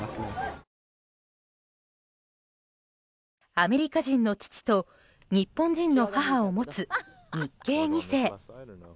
アメリカ人の父と日本人の母を持つ日系２世。